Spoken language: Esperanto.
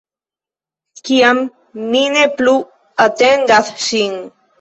Kiam mi ne plu atendas ŝin.